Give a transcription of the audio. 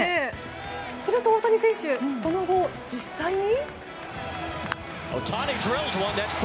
すると大谷選手その後、実際に。